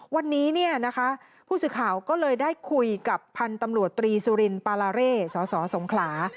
วันนี้เนี่ยนะคะผู้สื่อข่าวก็เลยได้คุยกับพันธุ์ตำรวจตรีสุรินปาลาเร่สสสงขลา